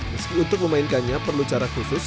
meski untuk memainkannya perlu cara khusus